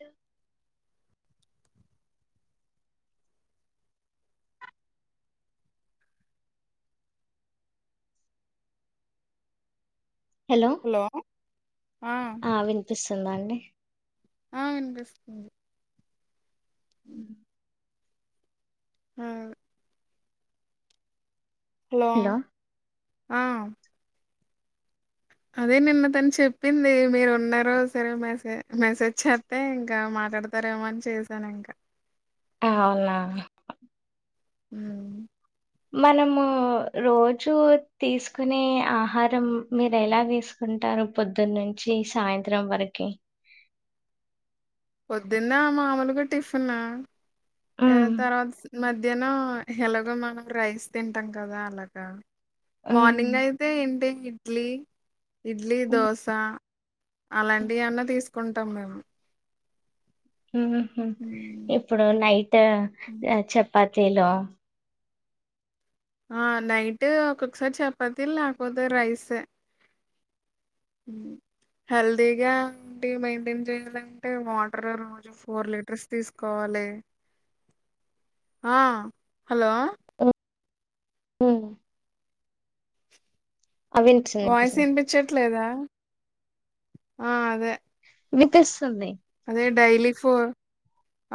అ hello! Hello! ఆ అ వినిపిస్తుందాండి? ఆ వినిపిస్తుంది. ఉ ఉమ్ హలో! ఆ అదే నిన్న తన్చెప్పింది మీరున్నరో సరే మెసే మెసేజ్ చేద్ తే ఇంకా మాట్లాడతారేమో అన్ఛేసానింక. అహ అవునా? ఉమ్ మనమూ రోజు తీసుకునే ఆహారం మీరెలా దీస్ ఉంటారు పొద్దున్నుంచి సాయంత్రం వరకి పొద్దున్న మామూలుగా ఆటిఫిన ఎ ఉమ్ తర్వాత. మధ్యాహ్నం ఎలాగో మనం రైస్ తింటాం కదా అలాగా ఉమ్ మార్నింగ్ అయితే ఏంటి ఇడ్లీ ఇడ్లీ దోశా అలాంటి అన్న తీసుకుంటాం మేము ఇప్పుడు నైట్ చపాతీలో ఆ నైట్ ఒక్కొక్కసారి చపాతి లేకపోతే రైసే. హెల్దీగా టీం మెయింటైన్ చేయాలంటే వాటర్ రోజు ఫోర్ లీటర్స్ తీసుకోవాలి ఆ హలో అవి వినిపిస్తుంది వాయిస్ వినిపిస్తుంది వినిపించట్లేదా ఆ అదే వినిపిస్తుంది అదే డైలీ ఫోర్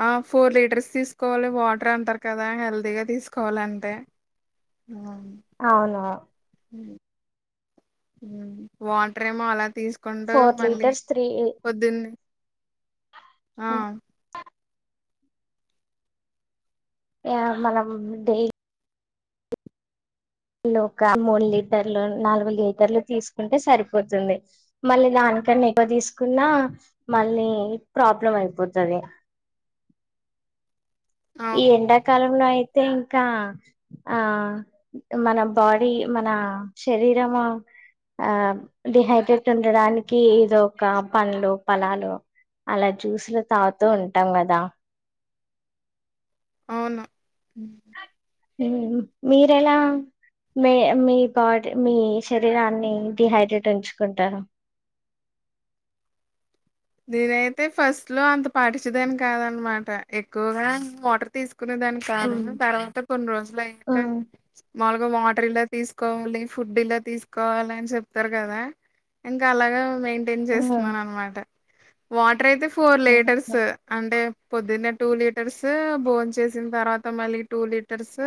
ఆ ఫోర్ లీటర్స్ తీసుకోవాలి వాటర్ అంటారు కదా హెల్దీగా తీసుకోవాలి అంతే ఆ అవును ఉమ్ వాటర్ ఏమో అలా తీసుకు. కొండగా ఫోర్ మళ్ళీ లీటర్స్ త్రీ పొద్దున్నే ఆ యా మనం డే ఈ లోక ఒక మూడు లీటర్లు నాలుగు లీటర్లు తీసుకుంటే సరిపోతుంది మళ్ళీ దానికన్నా ఎక్కువ తీసుకున్నా మళ్ళీ ప్రాబ్లం అయిపోతాది ఈ అవును ఎండాకాలంలో అయితే ఇంకా ఆ మన బాడీ మన శరీరము ఆ డిహైడ్రేట్ ఉండడానికి ఇదో ఒక పండ్లు ప లాలు అలా జూసులు తాగుతూ ఉంటాం కదా అవును లేదు మీరెలా మీ మీ బాడీ మీ శరీరాన్ని డిహైడ్రేట్ ఉంచుకుంటార దేనైతే ఫస్ట్ లో అంత పాటించేదాన్ని కాదన్నమాట ఎక్కువగా వాటర్ తీసుకునేదానిని కాదు తర్వాత కొన్ని రోజులు ఆ అయినక మాముల్గా వాటర్ ఇలా తీసుకోవాలి ఫుడ్ ఇలా తీసుకోవాలి అని చెప్తారు కదా ఇంకా అలాగ మెయింటైన్ ఆ చేస్తున్నాను అనమాట వాటర్ అయితే ఫోర్ ఆహా. లీటర్స్ అంటే పొద్దున్నే టూ లీటర్స్ బోన్ చేసిన తర్వాత మళ్ళీ టూ లీటర్స్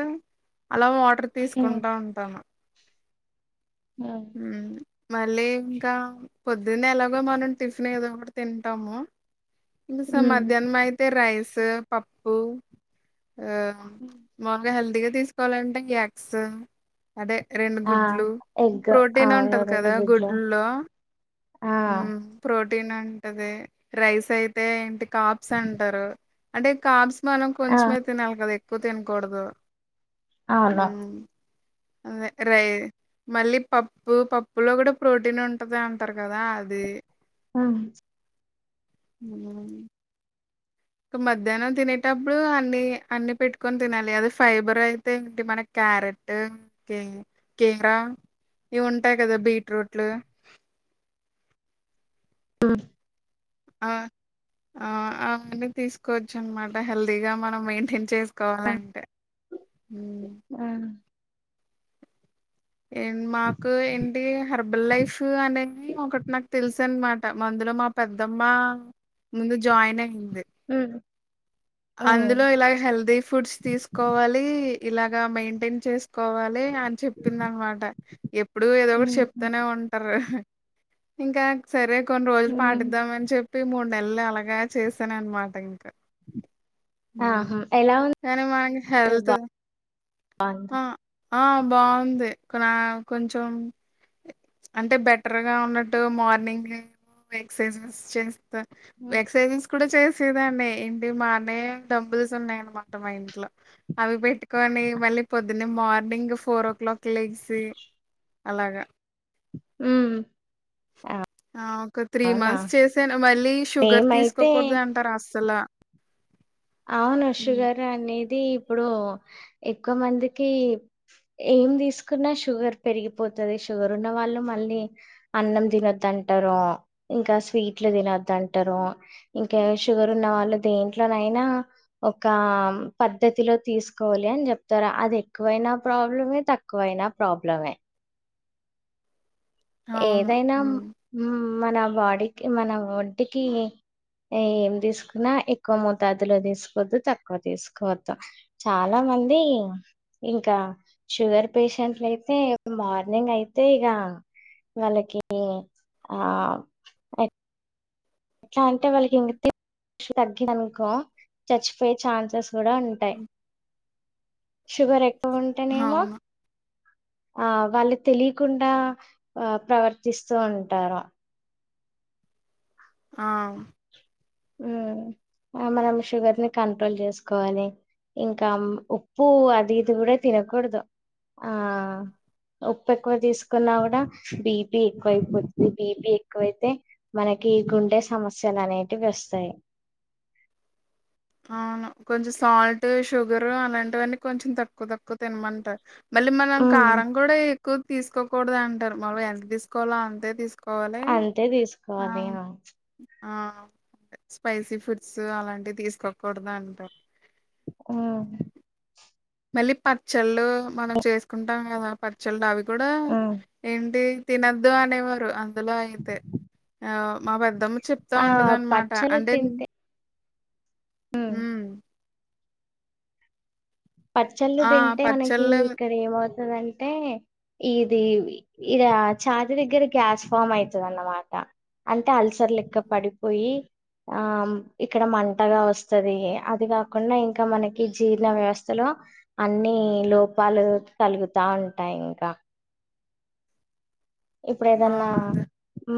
అలా వాటర్ ఉమ్ తీసుకుంటా ఉంటాము. ఆ ఉమ్ మళ్ళీ ఇంకా పొద్దున్నే ఎలాగో మనం టిఫిన్ ఏదో ఒకటి తింటాము ఇది స ఉమ్. మధ్యాహ్నం అయితే రైస్ పప్పు ఆ ఉమ్. మామూలుగా హెల్తీగా తీసుకోవాలంటే ఎగ్స్. అదే రెండు ఆ గుడ్లు ఎగ్ ప్రోటీన్ అవును ఉంటది రెండు కదా గుడ్లు గుడ్లులో ఆ ఉమ్. ప్రోటీన్ ఉంటది రైస్ అయితే ఏంటి కాబ్స్ అంటారు అంటే కాబ్స్ మనం ఆ కొంచమే తినాలి కదా ఎక్కువ తినకూడదు అవును ఉమ్ అదే రై మళ్ళీ పప్పు పప్పులో కూడా ప్రోటీన్ ఉంటది అంటారు కదా అది హా ఉ ఇక మధ్యాహ్నం తినేటప్పుడు అన్ని అన్ని పెట్టుకొని తినాలి అది ఫైబర్ అయితే వట్టి క్యారెట్ కే కీర ఇవి ఉంటాయి కదా బీట్రూట్లు ఆ అహ్ అహ్ అవన్నీ తీసుకోవచ్చు అన్నమాట హెల్దీగా మనం మెయింటైన్ చేస్ కోవాలంటే ఉమ్ మాకు ఏంటి హర్బల్ లైఫ్ అనేది ఒకటి నాకు తెలుసు అన్నమాట మందులో మా పెద్దమ్మ ముందు జాయిన్ అయింది ఉమ్ ఉమ్, అందులో ఇలాగ హెల్దీ ఫుడ్స్ తీసుకోవాలి ఇలాగా మెయింటైన్ చేస్ కోవాలి అని చెప్పింది అన్నమాట ఎప్పుడు ఏదో ఒకటి చెప్ ఉమ్, తనే ఉంటారు ఇంకా సరే కొన్ని రోజులు ఉమ్. పాటిద్దామని చెప్పి మూడు నెలలు అలాగా చేశాను అన్నమాట ఇంకా ఆహా ఎలా కానీ మనకి ఉంది హెల్త్ బాగుంది ఆ ఆ బాగుంది ఇక్కడ కొంచెం అంటే బెటర్ గా ఉన్నట్టు మార్నింగ్ లేసి ఎక్ససైజెస్ చేస్ ఉమ్ ఎక్ససైజెస్ కూడా చేసేదాన్ని ఇంటి పైనే డంబుల్స్ ఉన్నాయన్నమాట మా ఇంట్లో అవి పెట్టుకొని మళ్ళీ పొ ద్దున్నే మార్నింగ్ ఫోర్ ఓ క్లాక్ కి లెగిసి అలాగా ఉమ్ ఆ ఆ ఒక త్రీ మంత్స్ చేసాను మళ్ళీ షుగర్ మేమైతే తీసుకోకూడదు అంటారు అస్సలు అవును షుగర్ అనేది ఇప్పుడు ఎక్కువ మందికి ఏం తీసుకున్నా షుగర్ పెరిగిపోతది షుగర్ ఉన్నవాళ్ళు మళ్ళీ అన్నం తినొద్దంటారు ఇంకా స్వీట్లు తినొద్దు అంటారు ఇంకా షుగర్ ఉన్న వాళ్ళు దేంట్లోనైనా ఒక పద్ధతిలో తీసుకోవాలి అని చెప్తారుా అది ఎక్కువైన ప్రాబ్లమే తక్కువ వైనా ప్రాబ్లమే అవును. ఏదైనా హ్మ్. ఉమ్ మన బాడీకి మన ఒంటికీ ఏం తీసుకున్నా ఎక్కువ మోతాదులో తీసుకోవద్దు తక్కువ తీసుకోవద్దు చాలా మంది ఇంకా షుగర్ పేషెంట్లు అయితే మార్నింగ్ అయితే ఇగ వాళ్ళకి ఆ ఎట్లా అంటే వాళ్ళకి ఇన్ తగ్గింది అనుకో చచ్చిపోయే ఛాన్సెస్ కూడా ఉంటాయి హ్మ్. షుగర్ ఎక్కువ ఉంటేనేమో అవును. ఆ వాళ్ళు తెలియకుండా ఆ ప్రవర్తిస్తూ ఉంటారు. ఆహ్ ఆ మనం షుగర్ ని కంట్రోల్ చేసుకోవాలి ఇంకా ఉప్పు అది ఇది కూడా తినకూడదు ఆ ఉప్పు ఎక్కువ తీసుకున్నా కూడా బీపి ఎక్కువ అయిపోతుంది బీపి ఎక్కువైతే మనకి గుండె సమస్యలు అనేటివి వస్తాయి అవును కొంచెం సాల్ట్ షుగరు అలాంటివన్నీ కొంచెం తక్కువ తక్కువ తినమంటారు మళ్ళీ మనం ఉమ్. కారం కూడా ఎక్కువ తీసుకోకూడదు అంటారు మళ్ళు ఎంత తీసుకోవాలో అంతే తీసుకో వలే అంతే తీసుకోవాలి ఆ ఆ ఆ స్పైసీ ఫుడ్స్ అలాంటివి తీసుకోకూడదు అంటా ఉమ్ మళ్ళీ పచ్చళ్ళు మనం చేసుకుంటాం కదా పచ్చళ్ళు అవి కూడా ఆ ఏంటి తినద్దు అనేవారు అ అందులో అయితే ఆ మా పెద్దమ్మ చెప్తా ఆ ఉంటది అనమాట పచ్చలు అంటే తింటే ఉమ్ పచ్చళ్ళు ఆ తింటే మనకి పచ్చళ్ళు ఇక్కడ ఏమవుతదం అంటే ఇది ఇడ చాతి దగ్గర గ్యాస్ ఫామ్ అయితది అన్నమాట అంటే అల్సర్ లెక్క పడిపోయి ఆం ఇక్కడ మంటగా వస్తది అది కాకుండా ఇంకా మనకి జీర్ణ వ్యవస్ స్థలో అన్ని లోపాలు కలుగుతాంటాయి ఇంక ఇప్పుడు ఆ ఏదన్న అదే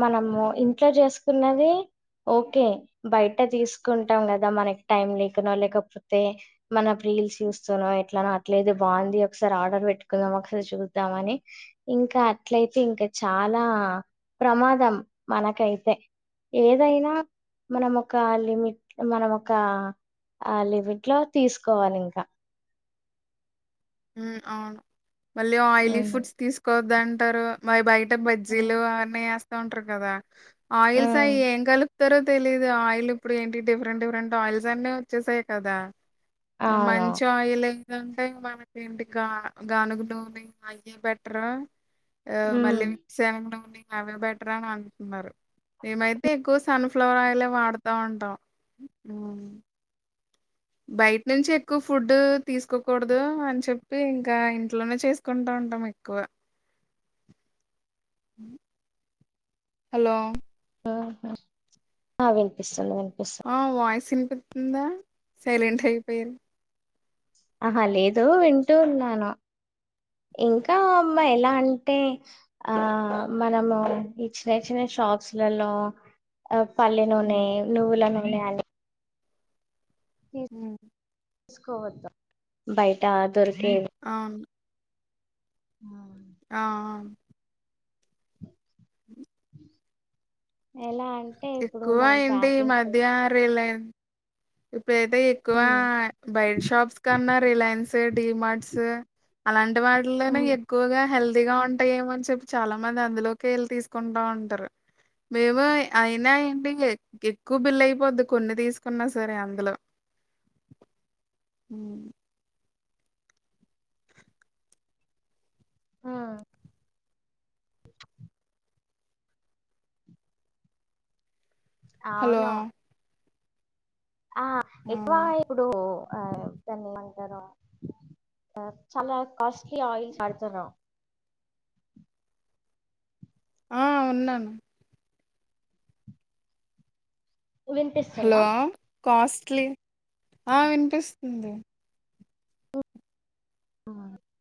మనము ఇంట్లో చేసుకున్నవి ఓకే బయట తీసుకుంటాం కదా మనకి టైం లేకనో లేకపోతే మన రీల్స్ చూస్తనో ఎట్లానో అట్లది బాగుంది ఒకసారి ఆర్డర్ పెట్టుకుందాం ఒకసారి చూద్దామని ఇంకా అట్లయితే ఇంకా చాలా ప్రమాదం మనకైతే ఏదైనా మనమొక లిమిట్ మనమొక ఆ లిమిట్ లో తీసుకోవాలింకా ఉ అవును మళ్ళీ ఆయిలీ ఉమ్. ఫుడ్స్ తీసుకోవద్దంటారు మరి బయట్ టే ఉమ్. బజ్జీలు అవన్ని ఎస్తా ఉంటారు కదా ఆయిల్స్ అయ్యేం కలుప్ తరో తెలిదు ఆయిల్ ఇప్పుడు ఏంటి డిఫరెంట్ డిఫరెంట్ ఆయిల్స్ అన్ని వచ్చేసాయి కదా అవును మంచి ఆయిల్ ఏందంటే మన ఏంటి గా గానుగు నూనె అయ్యె బెట్రా ఆ ఉమ్. మళ్ళీ మీ సేవగ నూనె అవే బెటర్ అని అంటున్నారు మేమైతే ఎక్కువ సన్ఫ్లవర్ ఆయిలే వాడుతా ఉంటాం బయట నుంచి ఎక్కువ ఫుడ్ తీసుకోకూడదు అని చెప్పి ఇంకా ఇంట్లోనే చేస్త కొంటంటం మెక్కువ ఉ హలో ఆహ ఆ వినిపిస్తుంది వినిపిస్ ఆ వాయిస్ వినిపితుందా సైలెంట్ అయిపోయరు ఆహా లేదు వింటూ ఉన్నాను ఇంకా అమ్మ ఎలా అంటే ఆ మనము ఈ చిన్న చిన్న షాప్స్ లల్లో ఆ పల్లి నూనె నువ్వుల నూనె అ ఉ చూసుకోవద్దా బయట దొరికే అవును ఆ ఆ హ ఉ ఎలా అంటే ఇప్పుడు ఎక్కువా మనం ఏంటి ప్యాకింగ్ ఈమధ్య రిలయన్ ఇప్పుడైతే ఎక్కువ హ్మ్ బయటి షాప్స్ కన్నా రిలయన్స్ డిమార్ట్స్ అలాంటి వాళ్ళను హ్మ్ ఎట్ల ఎక్కువగా హెల్తీగా ఉంటాయేమోనాని చెప్పి చాలా మంది అందులోకి వెళ్ళి తీసుకుంటా ఉంటారు. మేమోయి అయినా ఏంటి ఎక్ ఎక్కువ బిల్లయిపోద్ది కొన్ని తీసుకున్నాస సరే అందులో ఆ హలో అవును ఆ ఎక్కువ ఇప్పుడు ఆ అంటారు. చాలా కాస్ట్లీ ఆయిల్స్ వడతారు ఆ ఉన్నాను హలో వినిపిస్తుందా కాస్ట్లీ ఆ వినిపిస్తుంది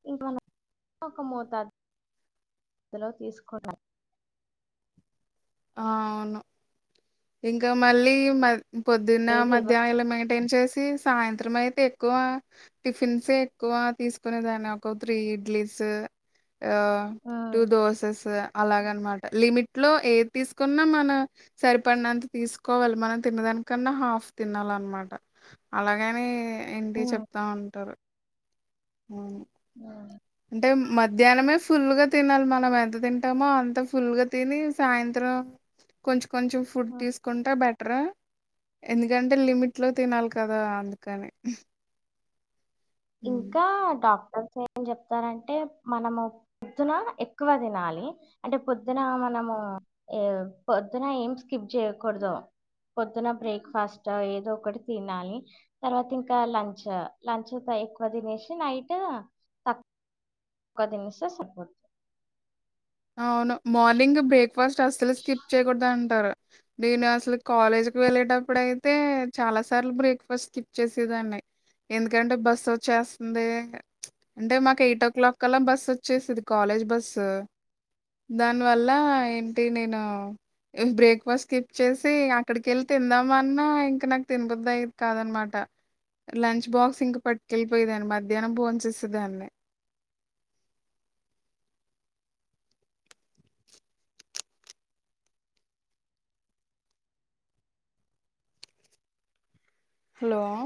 ఇంక మనం ఒక మోతదులో తీసుకుంటా [unintelligible] ఆ అవును ఇంకా మళ్ళీ మ పొద్దున్న ఏది మధ్యాహ్నము ఏం చేసి సాయంత్రం అయితే ఎక్కువ టిఫిన్సే ఎక్కువ తీసుకునే దాన్ని ఒక త్రీ ఇడ్లీస్ ఆ హ్మ్ టూ దోసెస్ అలాగ అన్మాట లిమిట్ లో ఏది తీసుకున్న మన సరిపడినంత తీసుకోవాలి మనం తిన్నదానికన్నా హాఫ్ తినాలన్నమాట అలాగని ఏంటి హ్మ్. చెప్తా ఉంటారు అవును ఆ అంటే మధ్యాహ్నమే ఫుల్గా తినాలి మనం ఎంత తింటామో అంత ఫుల్గా తిని సాయంత్రం కొంచెం కొంచెం ఫుడ్ హ్మ్. తీసుకుంటే బెటర్ ఎందుకంటే లిమిట్లో తినాలి కదా అందుకని హ్మ్. ఇంకా డాక్టర్స్ ఏమనీ చెప్తారంటే మనము పొద్దున ఎక్కువ తినాలి అంటే పొద్దున మనము పొద్దున ఏం స్కిప్ చేయకూడదు పొద్దున బ్రేక్ఫాస్ట్ ఏదో ఒకటి తినాలి తర్వాత ఇంకా లంచ్ లంచ్ త ఎక్కువతీనేసి నైట్ ఎక్కువ దినేసి సరిపోద్ది అవును మార్నింగ్ బ్రేక్ఫాస్ట్ అస్సలు స్కిప్ చేయకూడదు అంటారు నేను అసలు కాలేజ్కి వెళ్ళేటప్పుడు అయితే చాలా సార్లు బ్రేక్ఫాస్ట్ స్కిప్ చేసేదాన్నీ ఎందుకంటే బస్సు వచ్చేస్తుంది అంటే మాకు ఎయిట్ ఓ క్లాక్ కల్ల బస్ వచ్చేసిది కాలేజ్ బస్సు దానీ వల్ల ఏంటి నేను హ్ బ్రేక్ఫాస్ట్ స్కిప్ చేసి అక్కడికెళ్ళి తిందామన్నా ఇంకా నాక్ తినబుద్దయేది కాదన్మాట లంచ్ బాక్స్ ఇంక పట్కెళ్ళిపోయేదాన్ని మధ్యాహ్నం బొన్ చేసేదాన్ని హలో